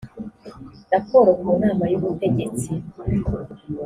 raporo ku nama y ubutegetsi